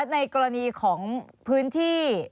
ในกรณีของพื้นที่